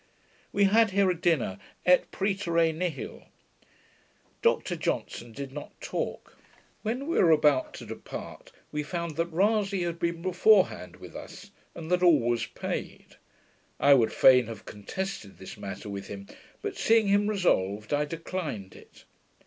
We had here a dinner, et praeterea nihil. Dr Johnson did not talk. When we were about to depart, we found that Rasay had been before hand with us, and that all was paid: I would fain have contested this matter with him, but seeing him resolved, I declined it.